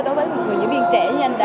đối với một người diễn viên trẻ như anh đã